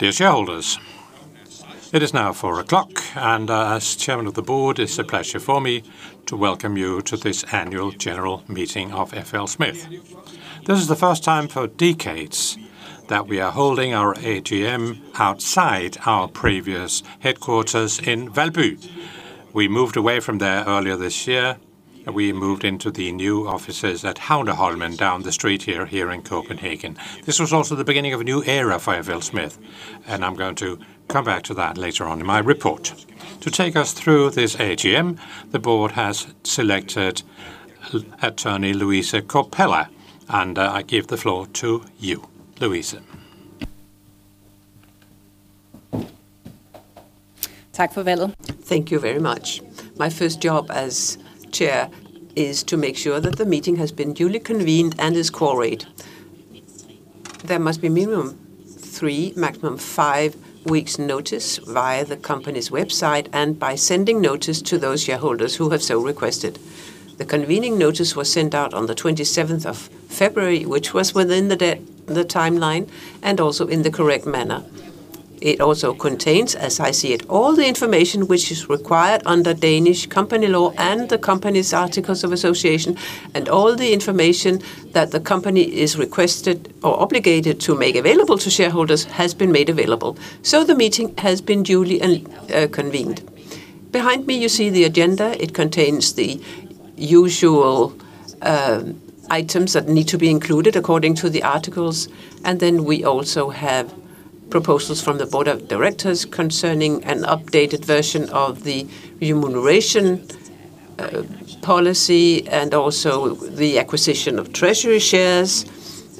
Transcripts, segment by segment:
Dear shareholders, it is now 4:00 P.M., and, as chairman of the board, it's a pleasure for me to welcome you to this annual general meeting of FLSmidth. This is the first time for decades that we are holding our AGM outside our previous headquarters in Valby. We moved away from there earlier this year, and we moved into the new offices at Havneholmen down the street here in Copenhagen. This was also the beginning of a new era for FLSmidth, and I'm going to come back to that later on in my report. To take us through this AGM, the board has selected attorney Louise Korpela, and, I give the floor to you, Louise. Thank you very much. My first job as chair is to make sure that the meeting has been duly convened and is quorate. There must be minimum three, maximum five weeks' notice via the company's website and by sending notice to those shareholders who have so requested. The convening notice was sent out on the 27th of February, which was within the timeline, and also in the correct manner. It also contains, as I see it, all the information which is required under Danish company law and the company's articles of association, and all the information that the company is requested or obligated to make available to shareholders has been made available, so the meeting has been duly convened. Behind me you see the agenda. It contains the usual items that need to be included according to the articles, and then we also have proposals from the Board of Directors concerning an updated version of the remuneration policy and also the acquisition of treasury shares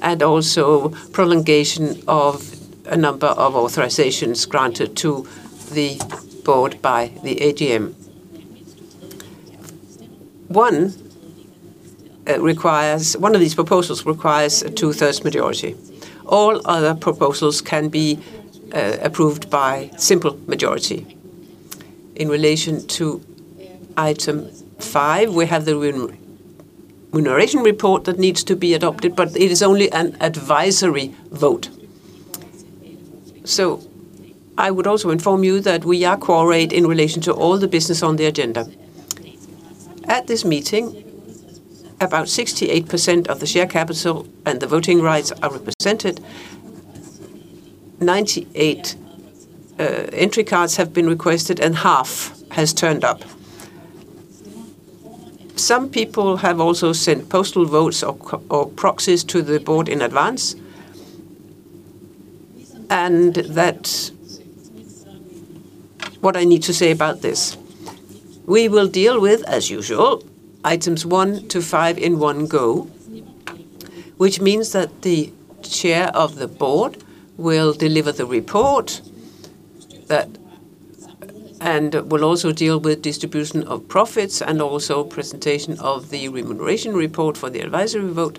and also prolongation of a number of authorizations granted to the board by the AGM. One of these proposals requires a 2/3 majority. All other proposals can be approved by simple majority. In relation to item five, we have the remuneration report that needs to be adopted, but it is only an advisory vote. I would also inform you that we are quorate in relation to all the business on the agenda. At this meeting, about 68% of the share capital and the voting rights are represented. 98 entry cards have been requested, and half has turned up. Some people have also sent postal votes or proxies to the board in advance. That's what I need to say about this. We will deal with, as usual, items one to five in one go, which means that the Chair of the Board will deliver the report and will also deal with distribution of profits and also presentation of the remuneration report for the advisory vote.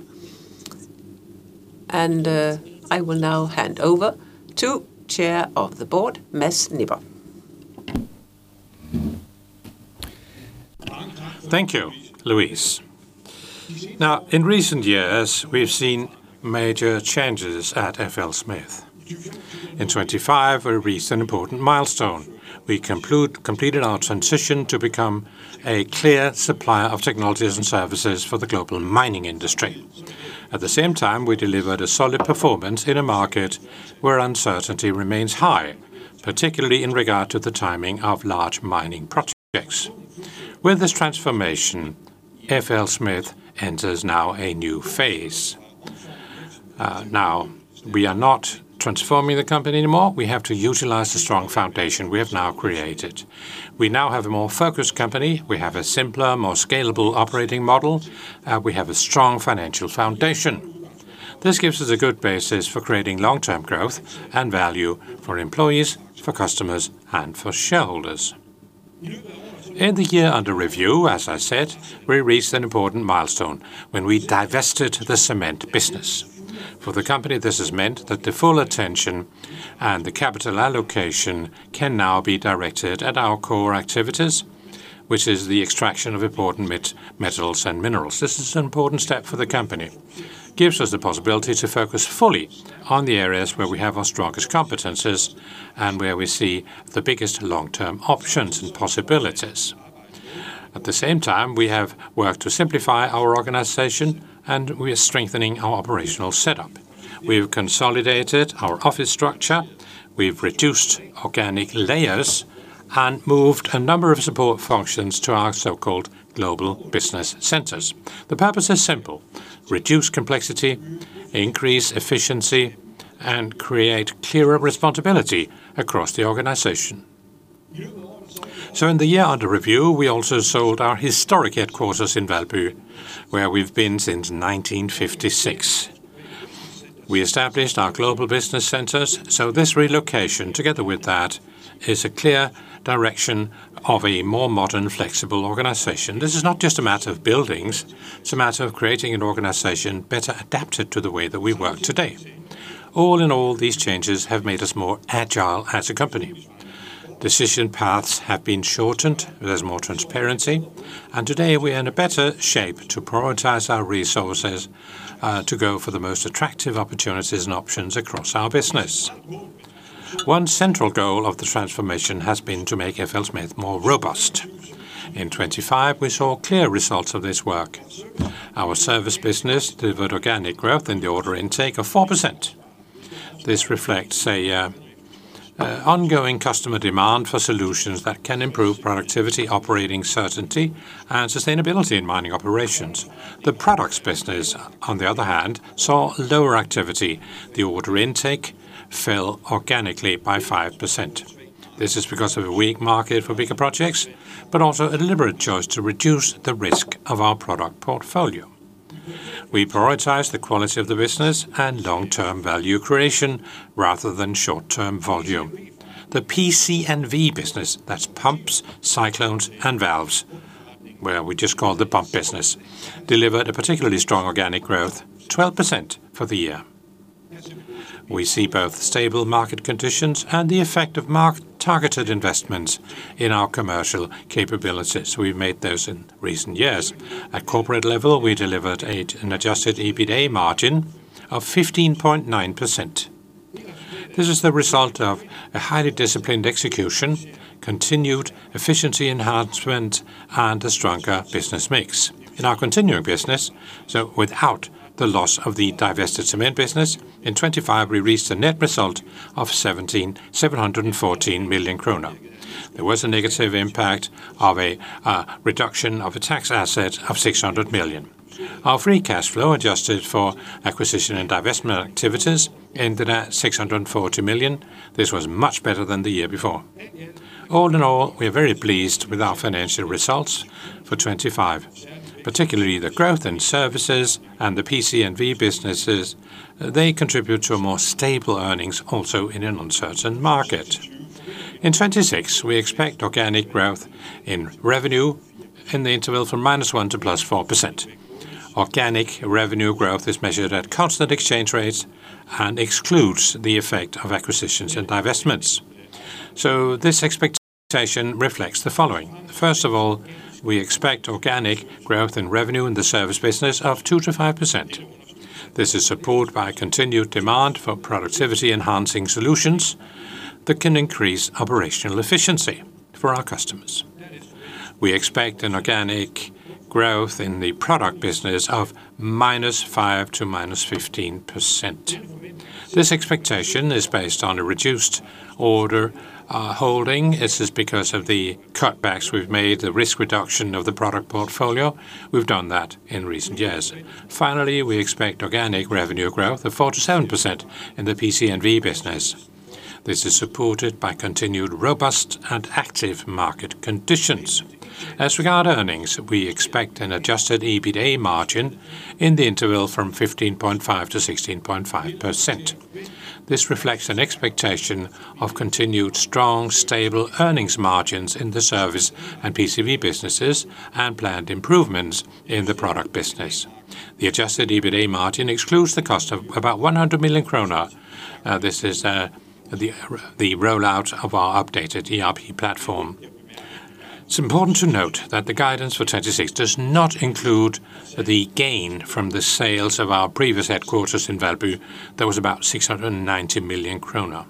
I will now hand over to Chair of the Board, Mads Nipper. Thank you, Louise. Now, in recent years, we've seen major changes at FLSmidth. In 2025 we reached an important milestone. We completed our transition to become a clear supplier of technologies and services for the global mining industry. At the same time, we delivered a solid performance in a market where uncertainty remains high, particularly in regard to the timing of large mining projects. With this transformation, FLSmidth enters now a new phase. Now, we are not transforming the company anymore. We have to utilize the strong foundation we have now created. We now have a more focused company. We have a simpler, more scalable operating model. We have a strong financial foundation. This gives us a good basis for creating long-term growth and value for employees, for customers, and for shareholders. In the year under review, as I said, we reached an important milestone when we divested the cement business. For the company, this has meant that the full attention and the capital allocation can now be directed at our core activities, which is the extraction of important metals and minerals. This is an important step for the company. Gives us the possibility to focus fully on the areas where we have our strongest competencies and where we see the biggest long-term options and possibilities. At the same time, we have worked to simplify our organization, and we are strengthening our operational setup. We've consolidated our office structure, we've reduced organizational layers, and moved a number of support functions to our so-called global business centers. The purpose is simple, reduce complexity, increase efficiency, and create clearer responsibility across the organization. In the year under review, we also sold our historic headquarters in Valby, where we've been since 1956. We established our global business centers, so this relocation together with that is a clear direction of a more modern, flexible organization. This is not just a matter of buildings. It's a matter of creating an organization better adapted to the way that we work today. All in all, these changes have made us more agile as a company. Decision paths have been shortened, there's more transparency, and today we are in a better shape to prioritize our resources to go for the most attractive opportunities and options across our business. One central goal of the transformation has been to make FLSmidth more robust. In 2025, we saw clear results of this work. Our service business delivered organic growth in the order intake of 4%. This reflects an ongoing customer demand for solutions that can improve productivity, operating certainty, and sustainability in mining operations. The products business, on the other hand, saw lower activity. The order intake fell organically by 5%. This is because of a weak market for bigger projects, but also a deliberate choice to reduce the risk of our product portfolio. We prioritize the quality of the business and long-term value creation rather than short-term volume. The PC&V business, that's pumps, cyclones, and valves, where we just call the pump business, delivered a particularly strong organic growth, 12% for the year. We see both stable market conditions and the effect of targeted investments in our commercial capabilities. We've made those in recent years. At corporate level, we delivered an adjusted EBITA margin of 15.9%. This is the result of a highly disciplined execution, continued efficiency enhancement, and a stronger business mix. In our continuing business, without the loss of the divested cement business, in 2025 we reached a net result of 1,714 million krone. There was a negative impact of a reduction of a tax asset of 600 million. Our free cash flow adjusted for acquisition and divestment activities ended at 640 million. This was much better than the year before. All in all, we are very pleased with our financial results for 2025, particularly the growth in services and the PC&V businesses. They contribute to a more stable earnings also in an uncertain market. In 2026, we expect organic growth in revenue in the interval from -1%-+4%. Organic revenue growth is measured at constant exchange rates and excludes the effect of acquisitions and divestments. This expectation reflects the following. First of all, we expect organic growth in revenue in the service business of 2%-5%. This is supported by continued demand for productivity enhancing solutions that can increase operational efficiency for our customers. We expect an organic growth in the product business of -5%-15%. This expectation is based on a reduced order holding. This is because of the cutbacks we've made, the risk reduction of the product portfolio. We've done that in recent years. Finally, we expect organic revenue growth of 4%-7% in the PC&V business. This is supported by continued robust and active market conditions. As regard earnings, we expect an adjusted EBITA margin in the interval from 15.5%-16.5%. This reflects an expectation of continued strong, stable earnings margins in the service and PC&V businesses and planned improvements in the product business. The adjusted EBITA margin excludes the cost of about 100 million kroner, this is the rollout of our updated ERP platform. It's important to note that the guidance for 2026 does not include the gain from the sales of our previous headquarters in Valby. That was about 690 million kroner.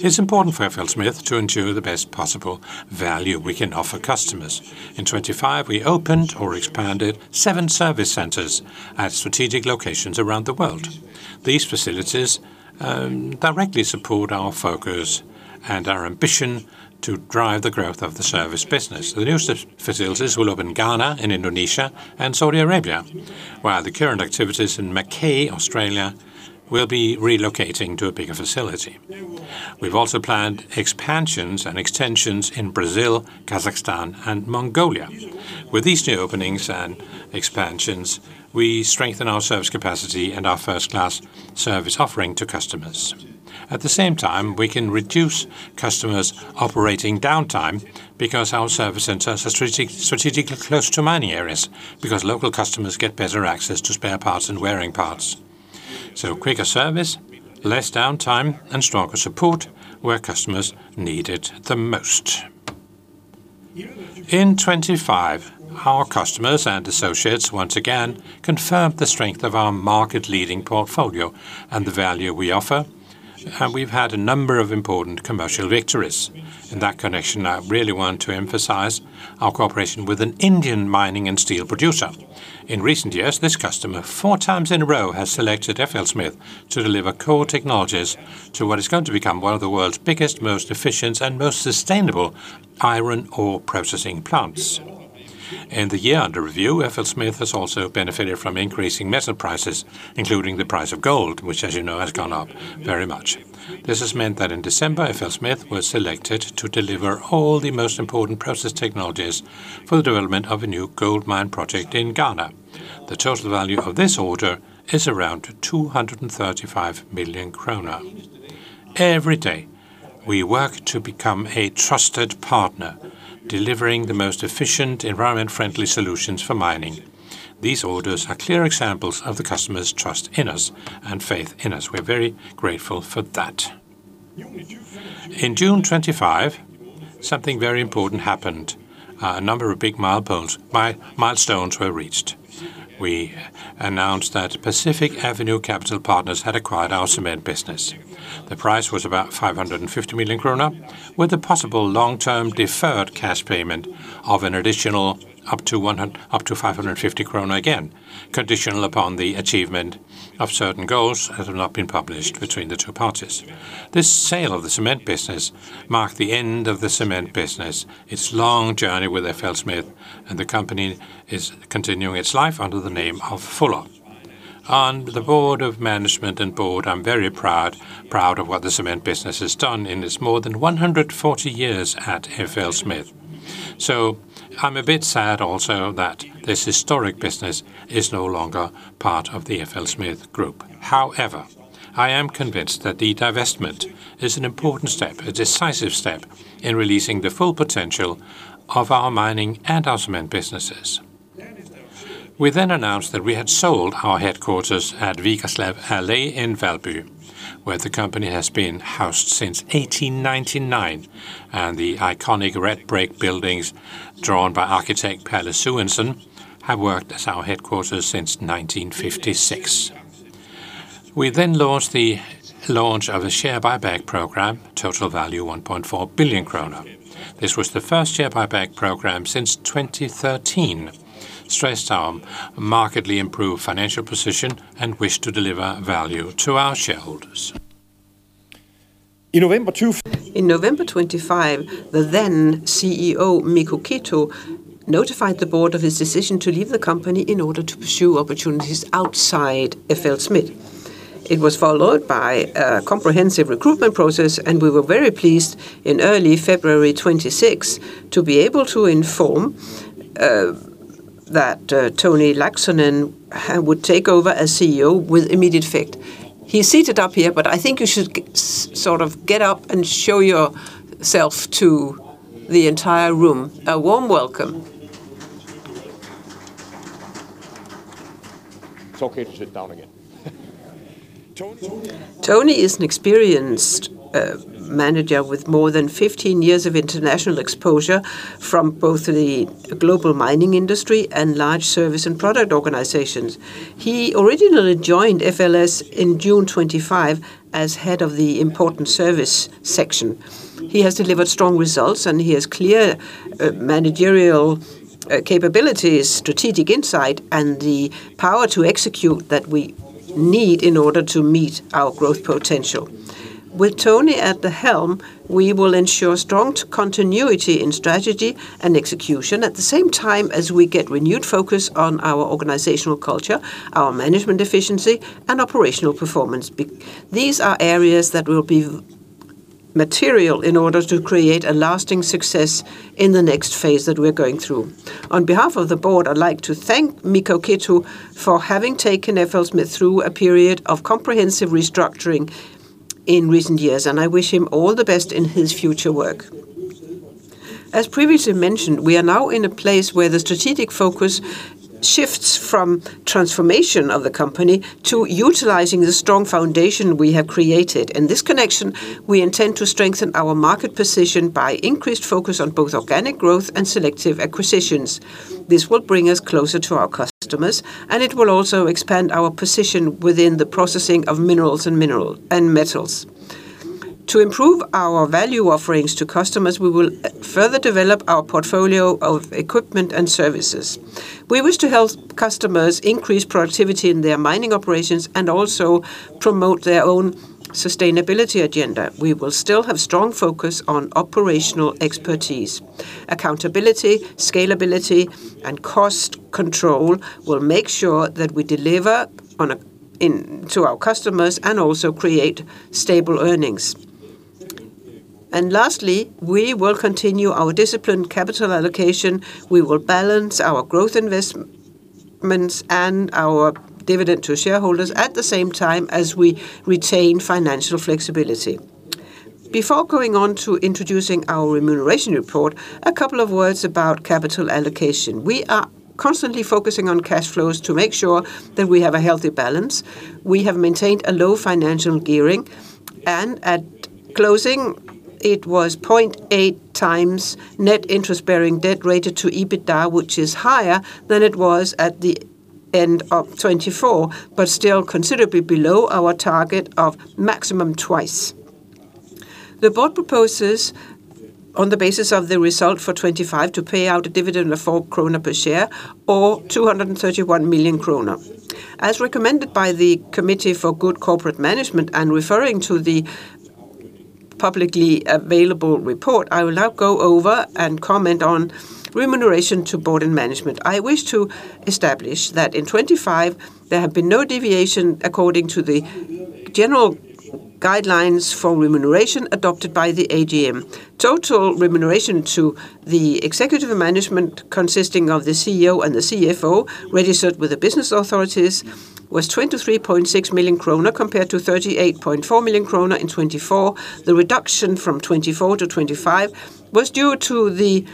It's important for FLSmidth to ensure the best possible value we can offer customers. In 2025, we opened or expanded 7 service centers at strategic locations around the world. These facilities directly support our focus and our ambition to drive the growth of the service business. The new service facilities will open in Ghana, in Indonesia, and Saudi Arabia, while the current activities in Mackay, Australia will be relocating to a bigger facility. We've also planned expansions and extensions in Brazil, Kazakhstan, and Mongolia. With these new openings and expansions, we strengthen our service capacity and our first-class service offering to customers. At the same time, we can reduce customers' operating downtime because our service centers are strategically close to mining areas because local customers get better access to spare parts and wearing parts. Quicker service, less downtime, and stronger support where customers need it the most. In 2025, our customers and associates once again confirmed the strength of our market leading portfolio and the value we offer, and we've had a number of important commercial victories. In that connection, I really want to emphasize our cooperation with an Indian mining and steel producer. In recent years, this customer four times in a row has selected FLSmidth to deliver core technologies to what is going to become one of the world's biggest, most efficient, and most sustainable iron ore processing plants. In the year under review, FLSmidth has also benefited from increasing metal prices, including the price of gold, which as you know, has gone up very much. This has meant that in December, FLSmidth was selected to deliver all the most important process technologies for the development of a new gold mine project in Ghana. The total value of this order is around 235 million kroner. Every day we work to become a trusted partner, delivering the most efficient, environment friendly solutions for mining. These orders are clear examples of the customer's trust in us and faith in us. We're very grateful for that. In June 2025 Something very important happened. A number of big milestones were reached. We announced that Pacific Avenue Capital Partners had acquired our cement business. The price was about 550 million krone with a possible long-term deferred cash payment of an additional up to 550 million krone again, conditional upon the achievement of certain goals that have not been published between the two parties. This sale of the cement business marked the end of the cement business, its long journey with FLSmidth, and the company is continuing its life under the name of Fuller. On the board of management and board, I'm very proud of what the cement business has done in its more than 140 years at FLSmidth. I'm a bit sad also that this historic business is no longer part of the FLSmidth Group. However, I am convinced that the divestment is an important step, a decisive step in releasing the full potential of our mining and our cement businesses. We then announced that we had sold our headquarters at Vigerslev Allé in Valby, where the company has been housed since 1899, and the iconic red brick buildings drawn by architect Palle Suenson have worked as our headquarters since 1956. We then launched a share buyback program, total value 1.4 billion kroner. This was the first share buyback program since 2013, stressed our markedly improved financial position and wish to deliver value to our shareholders. In November 2025, the then CEO, Mikko Keto, notified the board of his decision to leave the company in order to pursue opportunities outside FLSmidth. It was followed by a comprehensive recruitment process, and we were very pleased in early February 2026 to be able to inform that Toni Laaksonen would take over as CEO with immediate effect. He's seated up here, but I think you should get up and show yourself to the entire room. A warm welcome. It's okay to sit down again. Toni is an experienced manager with more than 15 years of international exposure from both the global mining industry and large service and product organizations. He originally joined FLS in June 2025 as head of the important service section. He has delivered strong results, and he has clear managerial capabilities, strategic insight, and the power to execute that we need in order to meet our growth potential. With Toni at the helm, we will ensure strong continuity in strategy and execution at the same time as we get renewed focus on our organizational culture, our management efficiency, and operational performance. These are areas that will be material in order to create a lasting success in the next phase that we're going through. On behalf of the board, I'd like to thank Mikko Keto for having taken FLSmidth through a period of comprehensive restructuring in recent years, and I wish him all the best in his future work. As previously mentioned, we are now in a place where the strategic focus shifts from transformation of the company to utilizing the strong foundation we have created. In this connection, we intend to strengthen our market position by increased focus on both organic growth and selective acquisitions. This will bring us closer to our customers, and it will also expand our position within the processing of minerals and mineral and metals. To improve our value offerings to customers, we will further develop our portfolio of equipment and services. We wish to help customers increase productivity in their mining operations and also promote their own sustainability agenda. We will still have strong focus on operational expertise. Accountability, scalability, and cost control will make sure that we deliver on to our customers and also create stable earnings. Lastly, we will continue our disciplined capital allocation. We will balance our growth investments and our dividend to shareholders at the same time as we retain financial flexibility. Before going on to introducing our remuneration report, a couple of words about capital allocation. We are constantly focusing on cash flows to make sure that we have a healthy balance. We have maintained a low financial gearing, and at closing it was 0.8x net interest-bearing debt ratio to EBITDA, which is higher than it was at the end of 2024, but still considerably below our target of maximum twice. The Board proposes on the basis of the result for 2025 to pay out a dividend of 4 kroner per share or 231 million kroner. As recommended by the Committee on Corporate Governance and referring to the publicly available report, I will now go over and comment on remuneration to Board and management. I wish to establish that in 2025 there have been no deviation according to the general guidelines for remuneration adopted by the AGM. Total remuneration to the executive management consisting of the CEO and the CFO registered with the business authorities was 23.6 million kroner compared to 38.4 million kroner in 2024. The reduction from 2024 to 2025 was due to the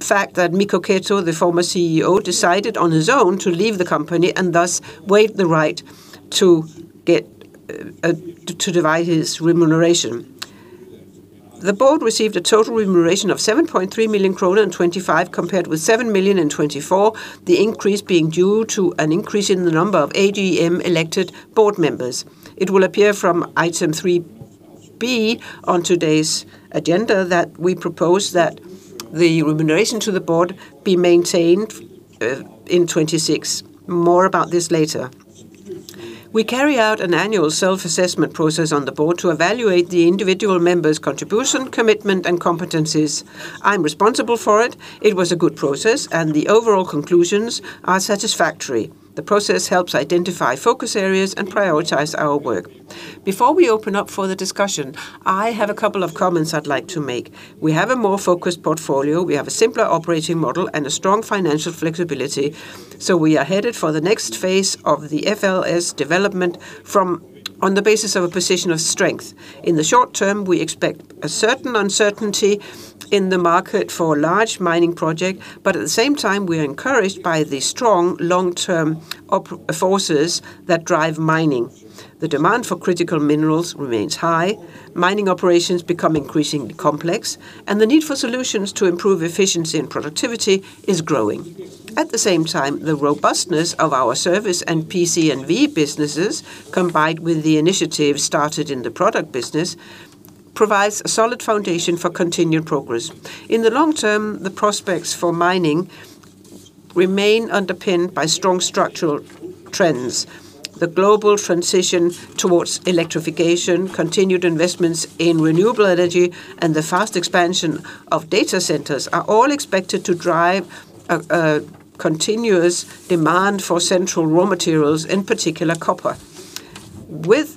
fact that Mikko Keto, the former CEO, decided on his own to leave the company and thus waived the right to get to divide his remuneration. The board received a total remuneration of 7.3 million kroner in 2025, compared with 7 million in 2024. The increase being due to an increase in the number of AGM-elected board members. It will appear from item three B on today's agenda that we propose that the remuneration to the board be maintained in 2026. More about this later. We carry out an annual self-assessment process on the board to evaluate the individual members' contribution, commitment, and competencies. I'm responsible for it. It was a good process, and the overall conclusions are satisfactory. The process helps identify focus areas and prioritize our work. Before we open up for the discussion, I have a couple of comments I'd like to make. We have a more focused portfolio. We have a simpler operating model and a strong financial flexibility, so we are headed for the next phase of the FLS development on the basis of a position of strength. In the short term, we expect a certain uncertainty in the market for large mining projects, but at the same time, we are encouraged by the strong long-term forces that drive mining. The demand for critical minerals remains high. Mining operations become increasingly complex, and the need for solutions to improve efficiency and productivity is growing. At the same time, the robustness of our service and PC&V businesses, combined with the initiatives started in the product business, provides a solid foundation for continued progress. In the long term, the prospects for mining remain underpinned by strong structural trends. The global transition towards electrification, continued investments in renewable energy, and the fast expansion of data centers are all expected to drive a continuous demand for critical raw materials, in particular copper. With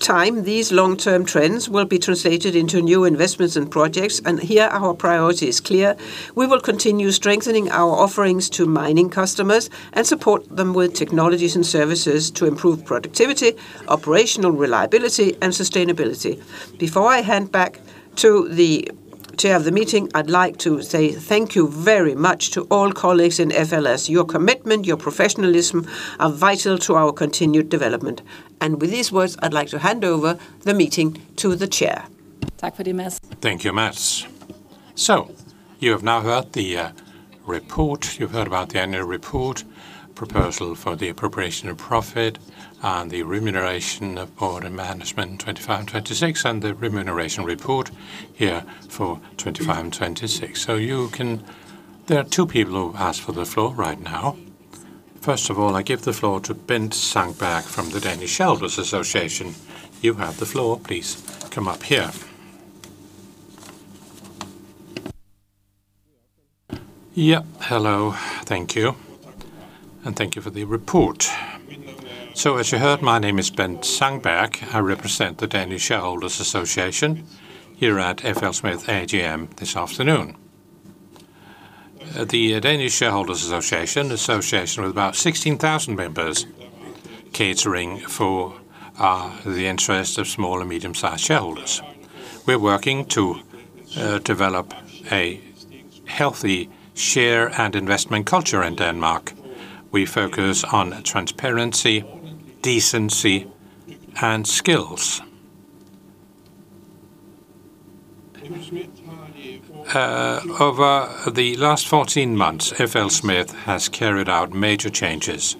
time, these long-term trends will be translated into new investments and projects, and here our priority is clear. We will continue strengthening our offerings to mining customers and support them with technologies and services to improve productivity, operational reliability, and sustainability. Before I hand back to the chair of the meeting, I'd like to say thank you very much to all colleagues in FLS. Your commitment, your professionalism are vital to our continued development. With these words, I'd like to hand over the meeting to the chair. Thank you, Mads. You have now heard the report. You've heard about the annual report, proposal for the appropriation of profit and the remuneration of board and management in 2025 and 2026, and the remuneration report here for 2025 and 2026. There are two people who asked for the floor right now. First of all, I give the floor to Bent Sandbach from the Danish Shareholders Association. You have the floor. Please come up here. Yeah. Hello. Thank you. Thank you for the report. As you heard, my name is Bent Sandbach. I represent the Danish Shareholders Association here at FLSmidth AGM this afternoon. The Danish Shareholders Association, association with about 16,000 members catering for the interest of small and medium-sized shareholders. We're working to develop a healthy share and investment culture in Denmark. We focus on transparency, decency and skills. Over the last 14 months, FLSmidth has carried out major changes,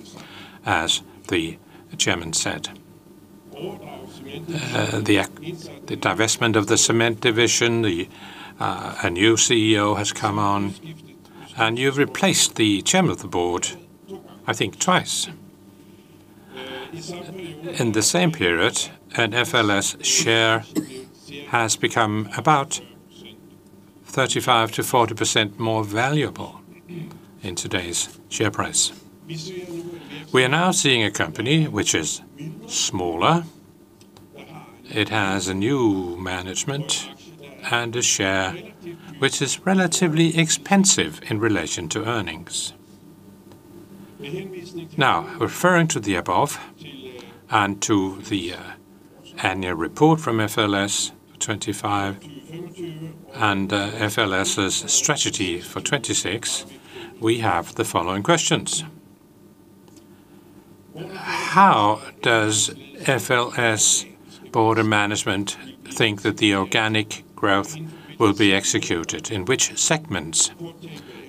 as the chairman said. The divestment of the cement division, a new CEO has come on, and you've replaced the chairman of the board, I think twice. In the same period, an FLS share has become about 35%-40% more valuable in today's share price. We are now seeing a company which is smaller. It has a new management and a share which is relatively expensive in relation to earnings. Now, referring to the above and to the annual report from FLS 2025 and FLSmidth's strategy for 2026, we have the following questions. How does FLS board and management think that the organic growth will be executed? In which segments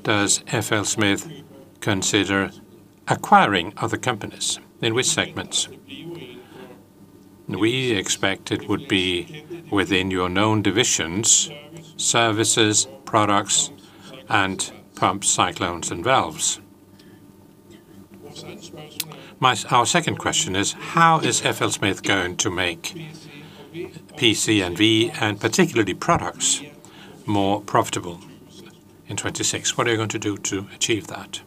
does FLSmidth consider acquiring other companies? In which segments? We expect it would be within your known divisions, services, products and pumps, cyclones and valves. Our second question is how is FLSmidth going to make PC&V and particularly products more profitable in 2026? What are you going to do to achieve that?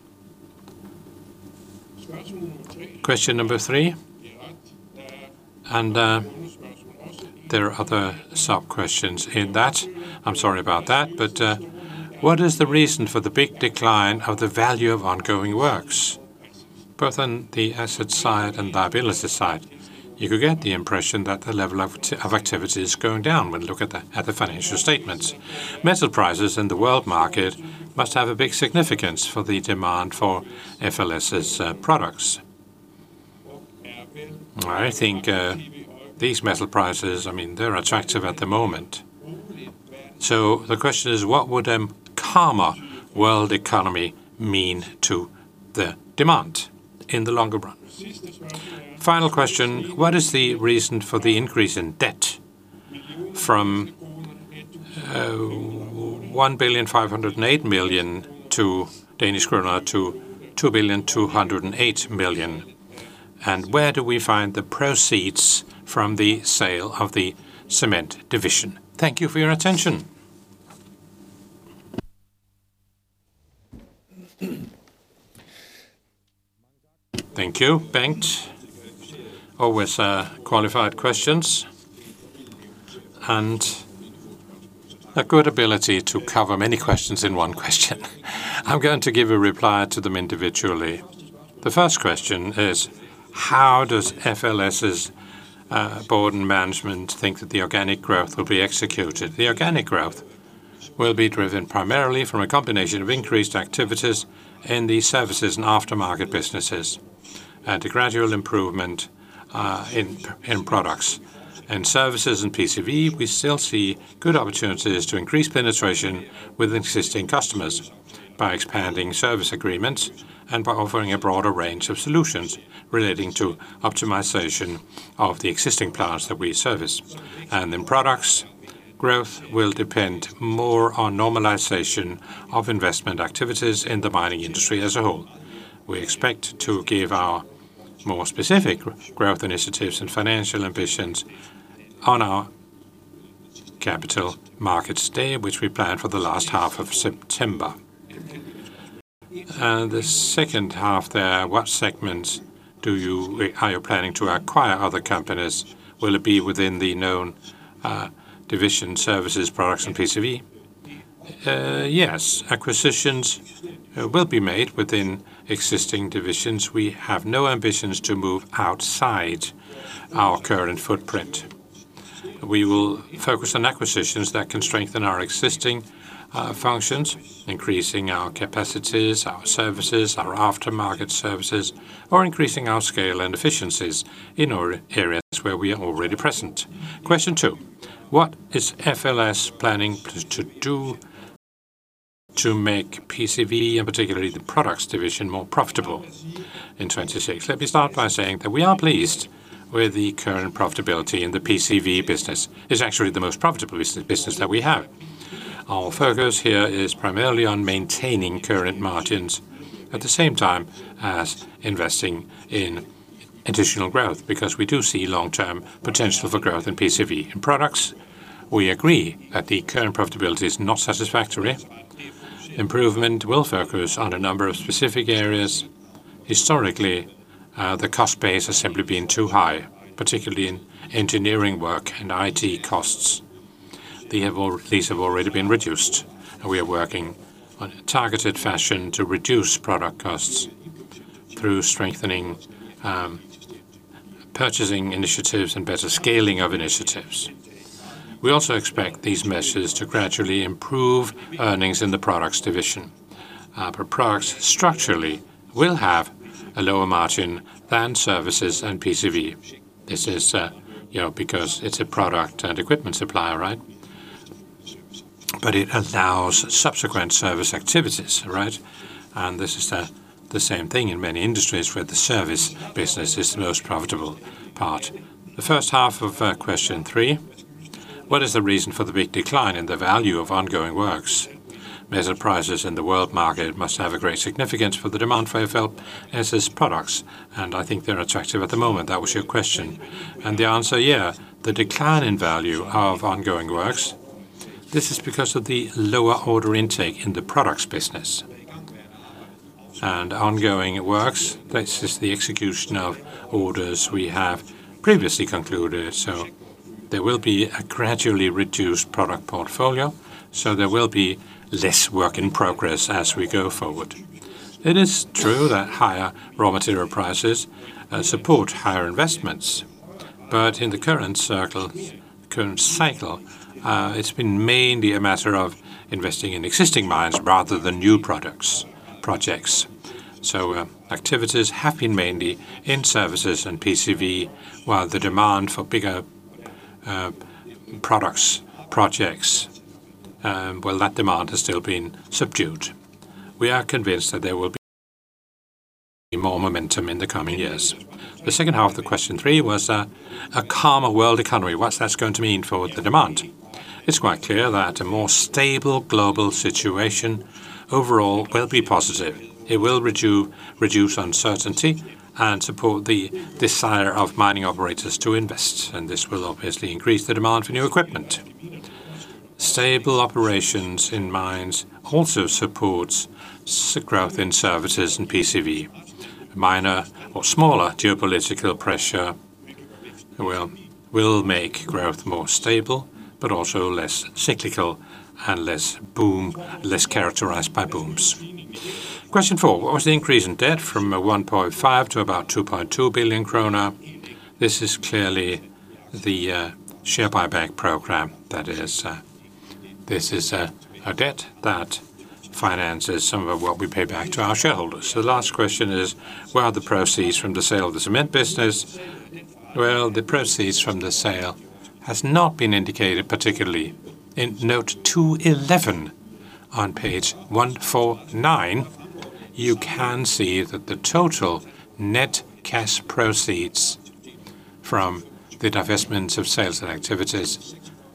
Question number three, there are other sub-questions in that. I'm sorry about that. What is the reason for the big decline of the value of ongoing works? Both on the asset side and liability side, you could get the impression that the level of of activity is going down when you look at the financial statements. Metal prices in the world market must have a big significance for the demand for FLS's products. I think these metal prices, I mean, they're attractive at the moment. The question is: What would a calmer world economy mean to the demand in the longer run? Final question: What is the reason for the increase in debt from 1,508 million-2,208 million Danish kroner, and where do we find the proceeds from the sale of the cement division? Thank you for your attention. Thank you, Bent. Always qualified questions and a good ability to cover many questions in one question. I'm going to give a reply to them individually. The first question is: How does FLS's board and management think that the organic growth will be executed? The organic growth will be driven primarily from a combination of increased activities in the services and aftermarket businesses and a gradual improvement in products. In services and PC&V, we still see good opportunities to increase penetration with existing customers by expanding service agreements and by offering a broader range of solutions relating to optimization of the existing plants that we service. In products, growth will depend more on normalization of investment activities in the mining industry as a whole. We expect to give our more specific growth initiatives and financial ambitions on our Capital Markets Day, which we plan for the last half of September. The second half there, are you planning to acquire other companies, will it be within the known division services, products, and PC&V? Yes. Acquisitions will be made within existing divisions. We have no ambitions to move outside our current footprint. We will focus on acquisitions that can strengthen our existing functions, increasing our capacities, our services, our aftermarket services, or increasing our scale and efficiencies in areas where we are already present. Question two: What is FLS planning to do to make PC&V, and particularly the products division, more profitable in 2026? Let me start by saying that we are pleased with the current profitability in the PC&V business. It's actually the most profitable business that we have. Our focus here is primarily on maintaining current margins at the same time as investing in additional growth, because we do see long-term potential for growth in PC&V. In products, we agree that the current profitability is not satisfactory. Improvement will focus on a number of specific areas. Historically, the cost base has simply been too high, particularly in engineering work and IT costs. They have al... These have already been reduced, and we are working on a targeted fashion to reduce product costs through strengthening purchasing initiatives and better scaling of initiatives. We also expect these measures to gradually improve earnings in the products division. Products structurally will have a lower margin than services and PC&V. This is, you know, because it's a product and equipment supplier, right? It allows subsequent service activities, right? This is the same thing in many industries where the service business is the most profitable part. The first half of question three: What is the reason for the big decline in the value of ongoing works? Metal prices in the world market must have a great significance for the demand for FLS's products, and I think they're attractive at the moment. That was your question. The answer, yeah. The decline in value of ongoing works, this is because of the lower order intake in the products business. Ongoing works, that's just the execution of orders we have previously concluded. There will be a gradually reduced product portfolio, so there will be less work in progress as we go forward. It is true that higher raw material prices support higher investments. In the current cycle, it's been mainly a matter of investing in existing mines rather than new products, projects. Activities have been mainly in services and PC&V, while the demand for bigger products, projects, that demand has still been subdued. We are convinced that there will be more momentum in the coming years. The second half of the question three was a calmer world economy. What's that going to mean for the demand? It's quite clear that a more stable global situation overall will be positive. It will reduce uncertainty and support the desire of mining operators to invest, and this will obviously increase the demand for new equipment. Stable operations in mines also supports growth in services and PC&V. Minor or smaller geopolitical pressure. Well, we'll make growth more stable, but also less cyclical and less boom, less characterized by booms. Question four, what was the increase in debt from 1.5 billion to about 2.2 billion kroner? This is clearly the share buyback program. That is, this is a debt that finances some of what we pay back to our shareholders. The last question is, where are the proceeds from the sale of the cement business? Well, the proceeds from the sale has not been indicated particularly. In note 211 on page 149, you can see that the total net cash proceeds from the divestments of assets and activities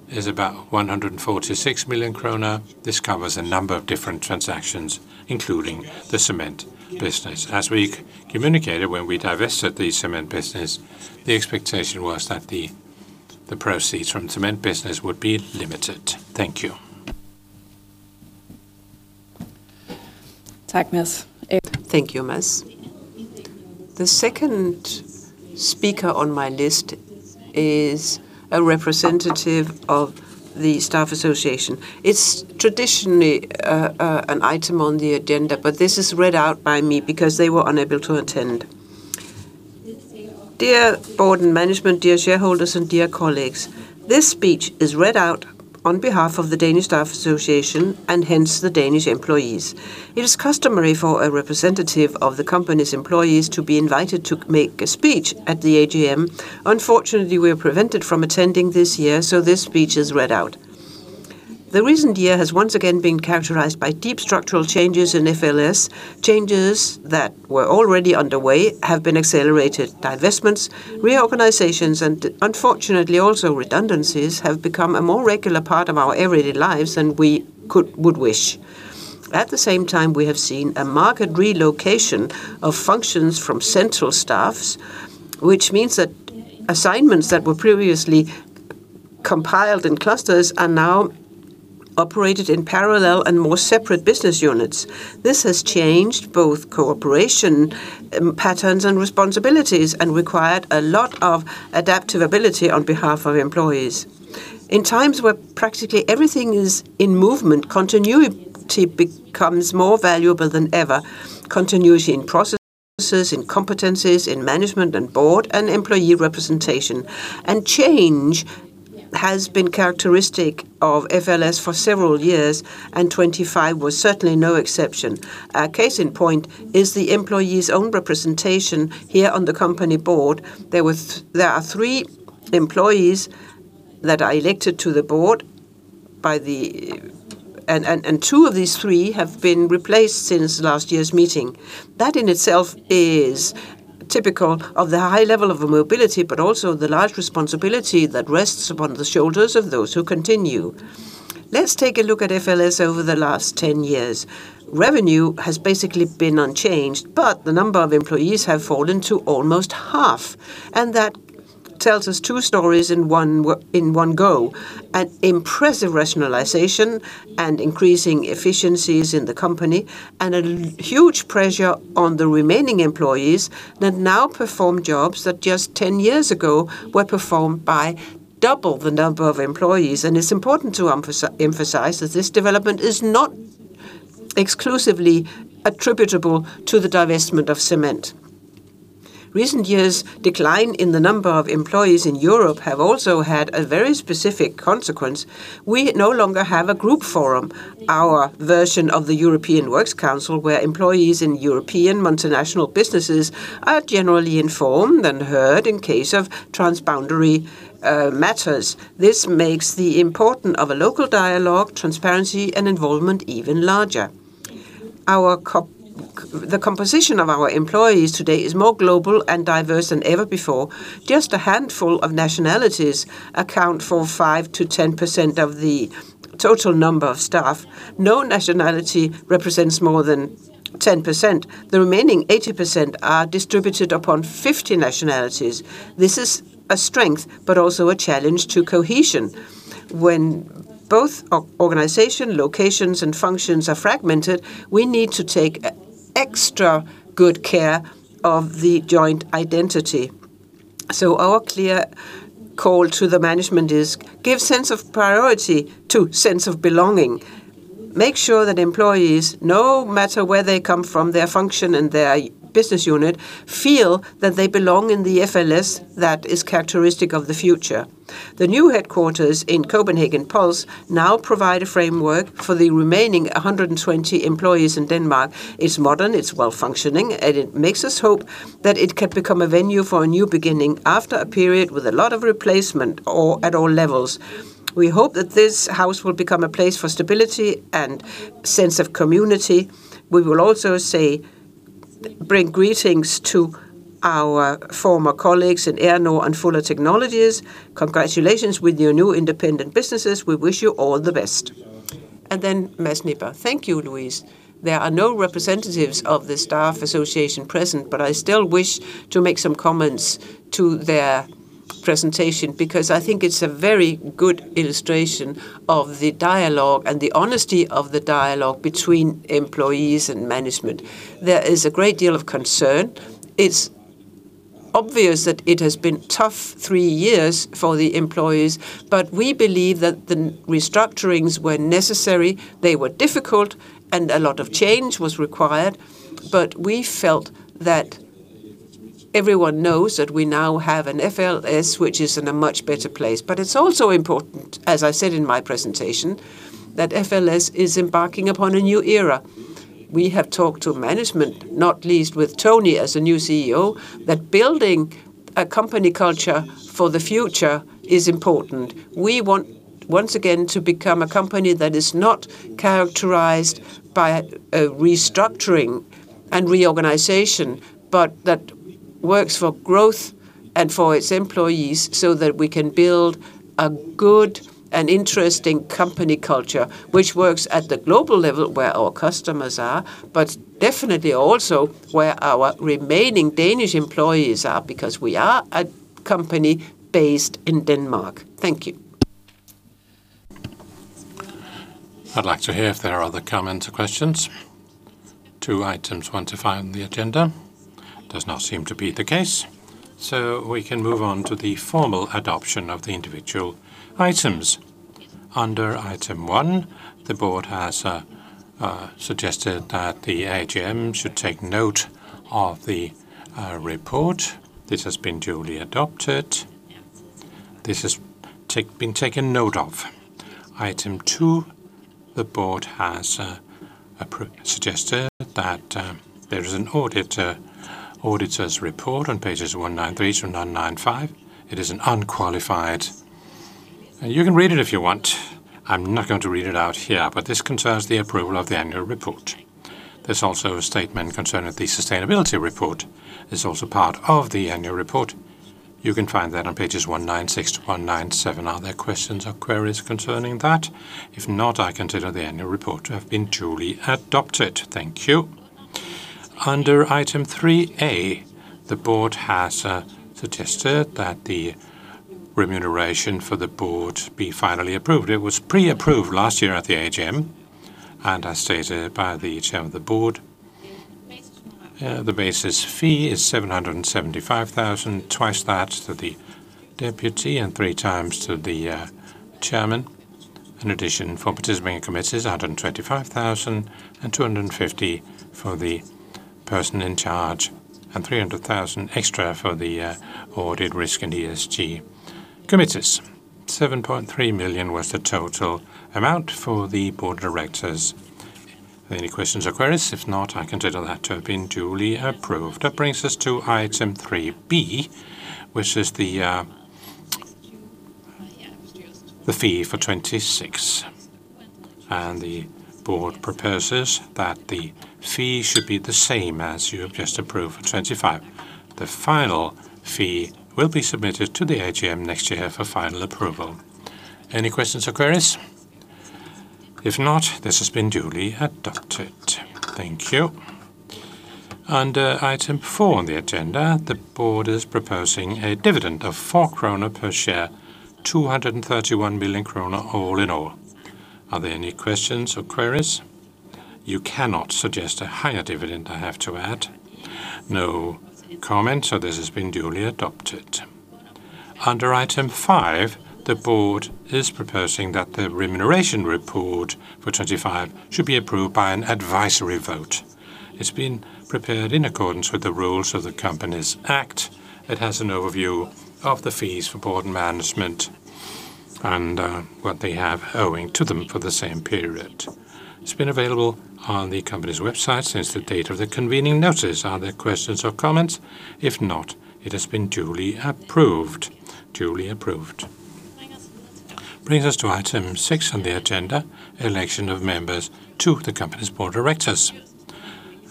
is about 146 million kroner. This covers a number of different transactions, including the cement business. As we communicated when we divested the cement business, the expectation was that the proceeds from cement business would be limited. Thank you. Thank you, Mads. The second speaker on my list is a representative of the staff association. It's traditionally an item on the agenda, but this is read out by me because they were unable to attend. Dear board and management, dear shareholders, and dear colleagues, this speech is read out on behalf of the Danish Staff Association, and hence the Danish employees. It is customary for a representative of the company's employees to be invited to make a speech at the AGM. Unfortunately, we are prevented from attending this year, so this speech is read out. The recent year has once again been characterized by deep structural changes in FLS, changes that were already underway have been accelerated. Divestments, reorganizations, and unfortunately also redundancies have become a more regular part of our everyday lives than we would wish. At the same time, we have seen a marked relocation of functions from central staffs, which means that assignments that were previously compiled in clusters are now operated in parallel and more separate business units. This has changed both cooperation patterns and responsibilities and required a lot of adaptive ability on behalf of employees. In times where practically everything is in movement, continuity becomes more valuable than ever. Continuity in processes, in competencies, in management and board and employee representation. Change has been characteristic of FLS for several years, and 2025 was certainly no exception. A case in point is the employees' own representation here on the company board. There are three employees that are elected to the board, and two of these three have been replaced since last year's meeting. That in itself is typical of the high level of mobility, but also the large responsibility that rests upon the shoulders of those who continue. Let's take a look at FLS over the last 10 years. Revenue has basically been unchanged, but the number of employees have fallen to almost half, and that tells us two stories in one go. An impressive rationalization and increasing efficiencies in the company, and a huge pressure on the remaining employees that now perform jobs that just 10 years ago were performed by double the number of employees. It's important to emphasize that this development is not exclusively attributable to the divestment of cement. Recent years' decline in the number of employees in Europe have also had a very specific consequence. We no longer have a group forum. Our version of the European Works Council, where employees in European multinational businesses are generally informed and heard in case of transboundary matters. This makes the importance of a local dialogue, transparency, and involvement even larger. The composition of our employees today is more global and diverse than ever before. Just a handful of nationalities account for 5%-10% of the total number of staff. No nationality represents more than 10%. The remaining 80% are distributed upon 50 nationalities. This is a strength, but also a challenge to cohesion. When both our organization, locations, and functions are fragmented, we need to take extra good care of the joint identity. Our clear call to the management is give sense of priority to sense of belonging. Make sure that employees, no matter where they come from, their function and their business unit, feel that they belong in the FLS that is characteristic of the future. The new headquarters in CPH Pulse now provide a framework for the remaining 120 employees in Denmark. It's modern, it's well-functioning, and it makes us hope that it can become a venue for a new beginning after a period with a lot of replacement or at all levels. We hope that this house will become a place for stability and sense of community. We will also say, bring greetings to our former colleagues in ERNO and Fuller Technologies. Congratulations with your new independent businesses. We wish you all the best. Mads Nipper. Thank you, Louise. There are no representatives of the staff association present, but I still wish to make some comments to their presentation because I think it's a very good illustration of the dialogue and the honesty of the dialogue between employees and management. There is a great deal of concern. It's obvious that it has been tough three years for the employees, but we believe that the restructurings were necessary. They were difficult, and a lot of change was required, but we felt that everyone knows that we now have an FLS which is in a much better place. It's also important, as I said in my presentation, that FLS is embarking upon a new era. We have talked to management, not least with Toni as the new CEO, that building a company culture for the future is important. We want, once again, to become a company that is not characterized by a restructuring and reorganization, but that works for growth and for its employees, so that we can build a good and interesting company culture, which works at the global level where our customers are, but definitely also where our remaining Danish employees are, because we are a company based in Denmark. Thank you. I'd like to hear if there are other comments or questions to items one-five on the agenda. Does not seem to be the case, so we can move on to the formal adoption of the individual items. Under item one, the board has suggested that the AGM should take note of the report. This has been duly adopted. This has been taken note of. Item two, the board has suggested that there is an auditor's report on pages 193-195. It is an unqualified. You can read it if you want. I'm not going to read it out here, but this concerns the approval of the annual report. There's also a statement concerning the sustainability report. It's also part of the annual report. You can find that on pages 196-197. Are there questions or queries concerning that? If not, I consider the annual report to have been duly adopted. Thank you. Under item 3A, the Board has suggested that the remuneration for the Board be finally approved. It was pre-approved last year at the AGM, and as stated by the chair of the Board, the basis fee is 775 thousand, twice that to the deputy, and three times to the chairman. In addition, for participating in committees, 125,000, and 250,000 for the person in charge, and 300,000 extra for the audit risk and ESG committees. 7.3 million was the total amount for the Board of Directors. Are there any questions or queries? If not, I consider that to have been duly approved. That brings us to item three B, which is the fee for 26. The board proposes that the fee should be the same as you have just approved for 25. The final fee will be submitted to the AGM next year for final approval. Any questions or queries? If not, this has been duly adopted. Thank you. Under item four on the agenda, the board is proposing a dividend of 4 kroner per share, 231 million kroner all in all. Are there any questions or queries? You cannot suggest a higher dividend, I have to add. No comments, so this has been duly adopted. Under item five, the board is proposing that the remuneration report for 25 should be approved by an advisory vote. It's been prepared in accordance with the rules of the Companies Act. It has an overview of the fees for board management and what they have owing to them for the same period. It's been available on the company's website since the date of the convening notice. Are there questions or comments? If not, it has been duly approved. Duly approved. Brings us to item six on the agenda, election of members to the company's board of directors.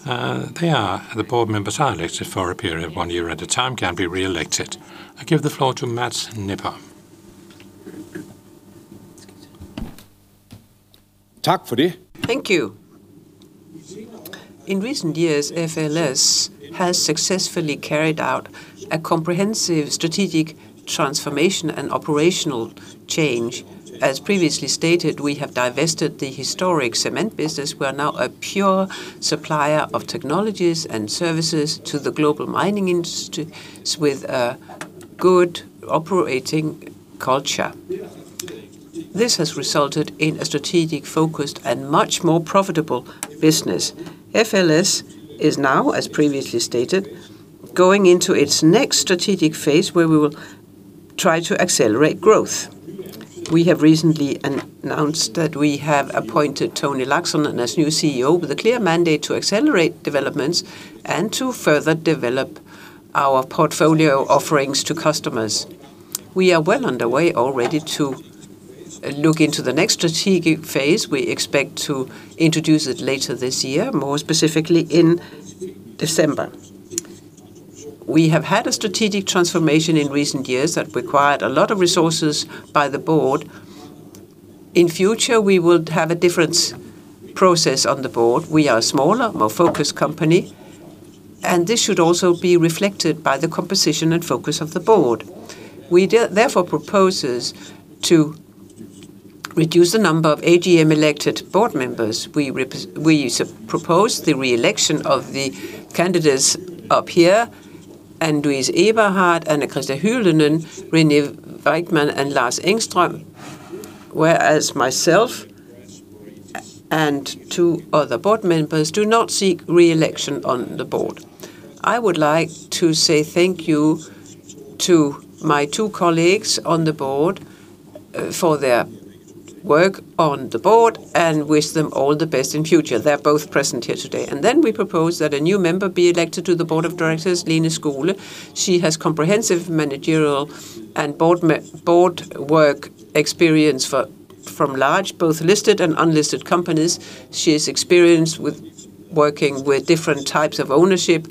The board members are elected for a period of one year at a time, can be reelected. I give the floor to Mads Nipper. Thank you. In recent years, FLS has successfully carried out a comprehensive strategic transformation and operational change. As previously stated, we have divested the historic cement business. We are now a pure supplier of technologies and services to the global mining industry with a good operating culture. This has resulted in a strategic focused and much more profitable business. FLS is now, as previously stated, going into its next strategic phase where we will try to accelerate growth. We have recently announced that we have appointed Toni Laaksonen as new CEO with a clear mandate to accelerate developments and to further develop our portfolio offerings to customers. We are well underway already to look into the next strategic phase. We expect to introduce it later this year, more specifically in December. We have had a strategic transformation in recent years that required a lot of resources by the board. In the future, we would have a different process on the board. We are a smaller, more focused company, and this should also be reflected by the composition and focus of the board. We therefore propose to reduce the number of AGM elected board members. We propose the re-election of the candidates up here, Anne Louise Eberhard, Anna Kristiina Hyvönen, Rune Wichmann, and Lars Engström. Whereas myself and two other board members do not seek re-election on the board. I would like to say thank you to my two colleagues on the board for their work on the board and wish them all the best in the future. They're both present here today. We propose that a new member be elected to the board of directors, Lene Skole. She has comprehensive managerial and board work experience from large, both listed and unlisted companies. She has experience with working with different types of ownership,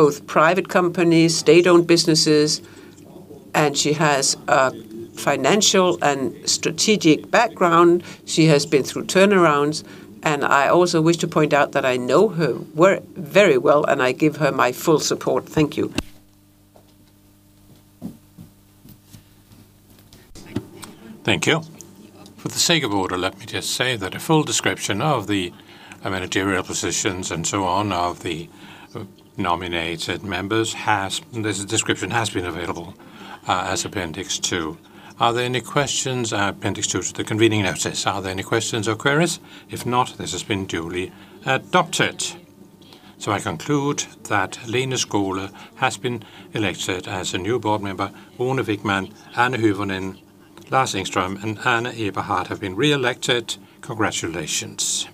both private companies, state-owned businesses, and she has a financial and strategic background. She has been through turnarounds, and I also wish to point out that I know her very well, and I give her my full support. Thank you. Thank you. For the sake of order, let me just say that a full description of the managerial positions and so on of the nominated members has been available as Appendix 2. Are there any questions? Appendix 2 to the convening notice. Are there any questions or queries? If not, this has been duly adopted. I conclude that Lene Skole has been elected as a new board member. Rune Wichmann, Anna Hyvönen, Lars Engström, and Anne Louise Eberhard have been re-elected. Congratulations.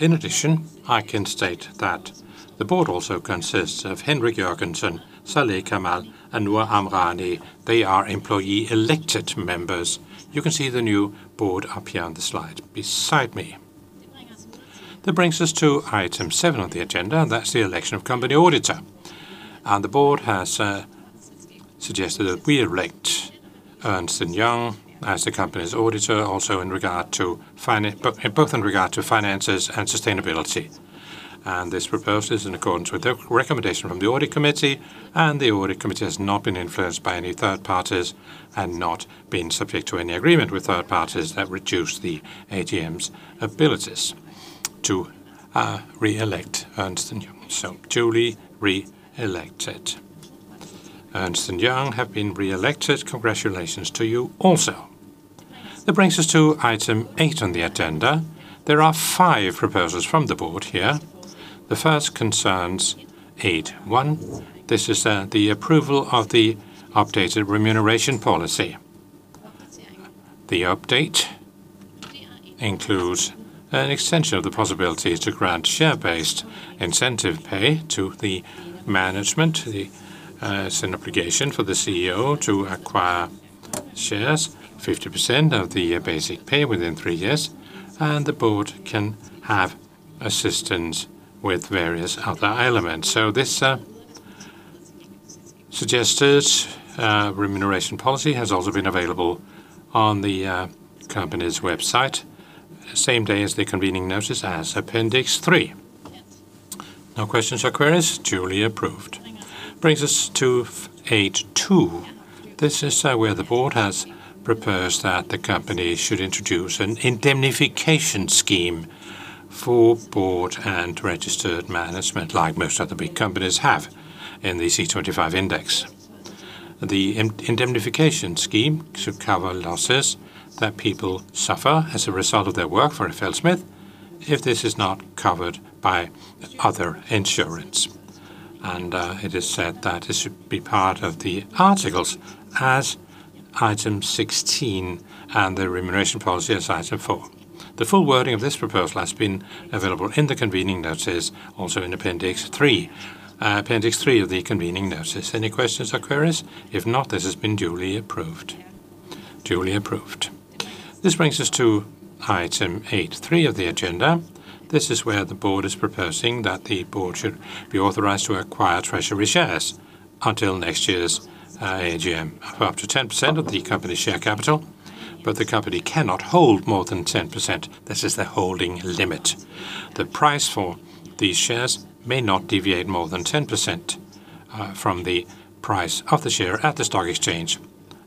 In addition, I can state that the board also consists of Henrik Jørgensen, Saleh Kamal, and Nour Amrani. They are employee-elected members. You can see the new board up here on the slide beside me. That brings us to item 7 on the agenda, and that's the election of company auditor. The board has suggested that we elect Ernst & Young as the company's auditor, also both in regard to finances and sustainability. This proposal is in accordance with the recommendation from the audit committee, and the audit committee has not been influenced by any third parties and not been subject to any agreement with third parties that reduce the AGM's abilities to re-elect Ernst & Young. Duly re-elected. Ernst & Young have been re-elected. Congratulations to you also. That brings us to item eight on the agenda. There are five proposals from the board here. The first concerns eight-one. This is the approval of the updated remuneration policy. The update includes an extension of the possibility to grant share-based incentive pay to the management. The It's an obligation for the CEO to acquire shares, 50% of the basic pay within three years, and the Board can have assistance with various other elements. This suggested remuneration policy has also been available on the company's website the same day as the convening notice as Appendix 3. No questions or queries. Duly approved. Brings us to 8.2. This is where the Board has proposed that the company should introduce an indemnification scheme for Board and registered management, like most other big companies have in the C25 index. The indemnification scheme should cover losses that people suffer as a result of their work for FLSmidth if this is not covered by other insurance. It is said that it should be part of the articles as item 16 and the remuneration policy as item four. The full wording of this proposal has been available in the convening notice, also in Appendix 3. Appendix 3 of the convening notice. Any questions or queries? If not, this has been duly approved. This brings us to item 83 of the agenda. This is where the board is proposing that the board should be authorized to acquire treasury shares until next year's AGM of up to 10% of the company's share capital, but the company cannot hold more than 10%. This is the holding limit. The price for these shares may not deviate more than 10% from the price of the share at the stock exchange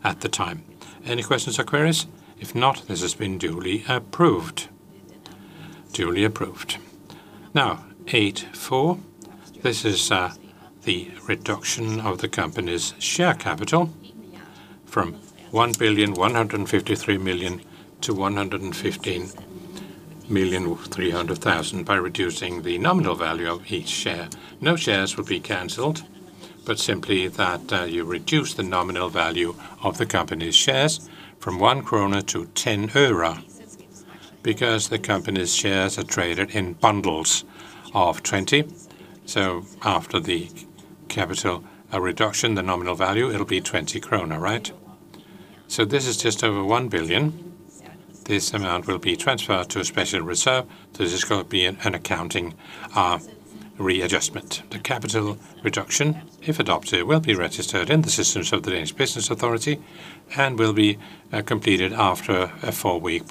at the time. Any questions or queries? If not, this has been duly approved. Now, 84, this is the reduction of the company's share capital from 1,153 million to 115.3 million by reducing the nominal value of each share. No shares will be canceled, but simply that you reduce the nominal value of the company's shares from 1 krona to 10 öre because the company's shares are traded in bundles of 20. After the capital reduction, the nominal value, it'll be 20 krona, right? This is just over 1 billion. This amount will be transferred to a special reserve. This is gonna be an accounting readjustment. The capital reduction, if adopted, will be registered in the systems of the Danish Business Authority and will be completed after a 4-week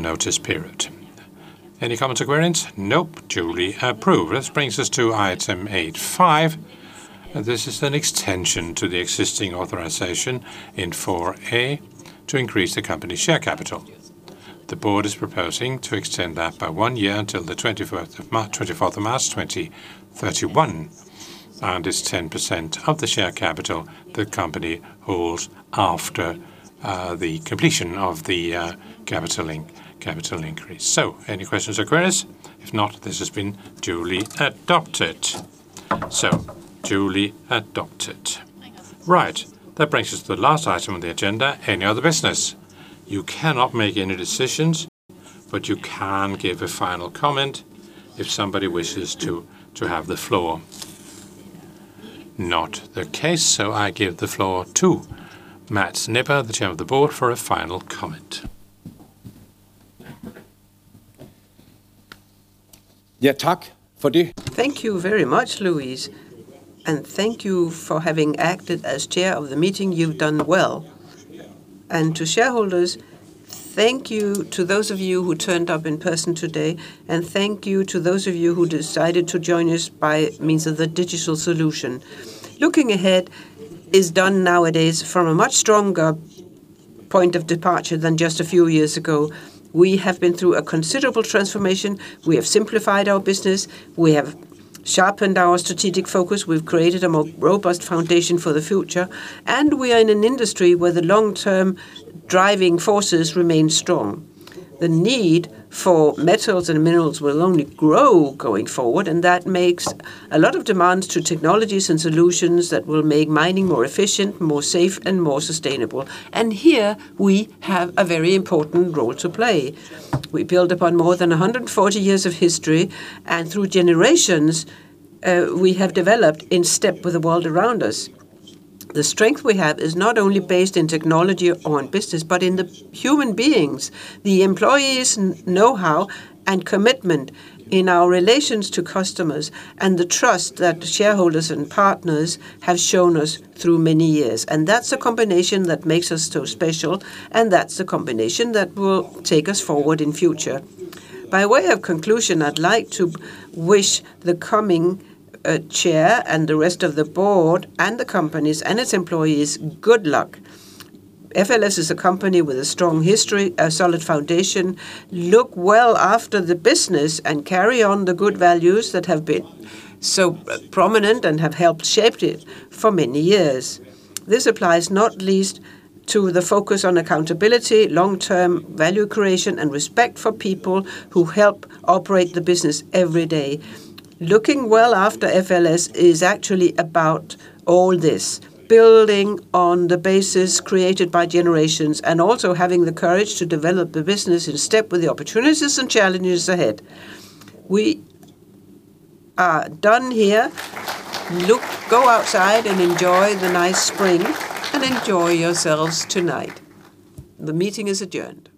notice period. Any comments or queries? Nope. Duly approved. This brings us to item 85. This is an extension to the existing authorization in 4A to increase the company share capital. The board is proposing to extend that by one year until the 24th of March, 2031. It's 10% of the share capital the company holds after the completion of the capital increase. Any questions or queries? If not, this has been duly adopted. Duly adopted. Right. That brings us to the last item on the agenda. Any other business? You cannot make any decisions, but you can give a final comment if somebody wishes to have the floor. Not the case, I give the floor to Mads Nipper, the Chair of the Board, for a final comment. Yeah. Thank you very much, Louise, and thank you for having acted as chair of the meeting. You've done well. To shareholders, thank you to those of you who turned up in person today and thank you to those of you who decided to join us by means of the digital solution. Looking ahead is done nowadays from a much stronger point of departure than just a few years ago. We have been through a considerable transformation. We have simplified our business. We have sharpened our strategic focus. We've created a more robust foundation for the future, and we are in an industry where the long-term driving forces remain strong. The need for metals and minerals will only grow going forward, and that makes a lot of demands to technologies and solutions that will make mining more efficient, more safe, and more sustainable. Here we have a very important role to play. We build upon more than 140 years of history, and through generations, we have developed in step with the world around us. The strength we have is not only based in technology or in business, but in the human beings, the employees' knowhow and commitment in our relations to customers, and the trust that shareholders and partners have shown us through many years. That's a combination that makes us so special, and that's a combination that will take us forward in future. By way of conclusion, I'd like to wish the coming chair and the rest of the board and the companies and its employees good luck. FLS is a company with a strong history, a solid foundation. Look well after the business and carry on the good values that have been so prominent and have helped shaped it for many years. This applies not least to the focus on accountability, long-term value creation, and respect for people who help operate the business every day. Looking well after FLS is actually about all this. Building on the basis created by generations and also having the courage to develop the business in step with the opportunities and challenges ahead. We are done here. Look. Go outside and enjoy the nice spring and enjoy yourselves tonight. The meeting is adjourned.